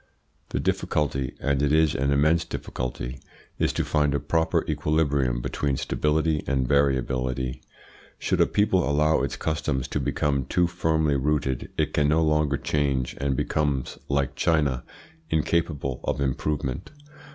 The difficulty, and it is an immense difficulty, is to find a proper equilibrium between stability and variability. Should a people allow its customs to become too firmly rooted, it can no longer change, and becomes, like China, incapable of improvement.